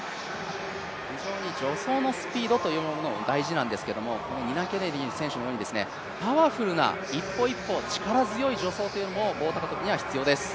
非常に助走のスピードも大事なんですが、ニナ・ケネディ選手のようにパワフルな一歩一歩、力強い助走というものも必要です。